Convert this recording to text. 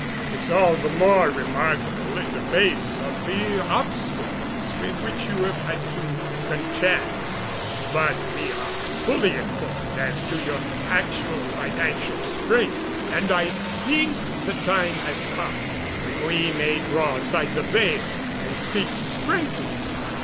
It's all the more remarkable in the face of the obstacles with which you had to contend. But we are fully informed as to your actual financial strength, and I think the time has come when we may draw aside the veil and speak frankly.